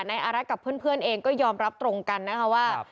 นายอารักษ์กับเพื่อนเองก็ยอมรับตรงกันนะคะว่า